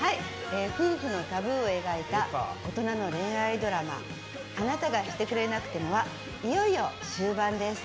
夫婦のタブーを描いた大人の恋愛ドラマ「あなたがしてくれなくても」はいよいよ終盤です。